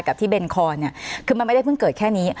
กับที่เบนคอนเนี่ยคือมันไม่ได้เพิ่งเกิดแค่นี้